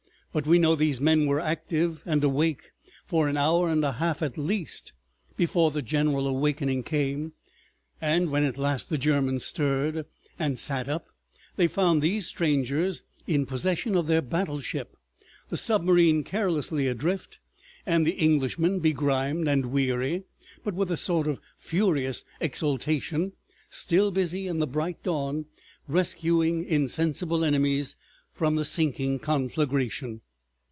But we know these men were active and awake for an hour and a half at least before the general awakening came, and when at last the Germans stirred and sat up they found these strangers in possession of their battleship, the submarine carelessly adrift, and the Englishmen, begrimed and weary, but with a sort of furious exultation, still busy, in the bright dawn, rescuing insensible enemies from the sinking conflagration.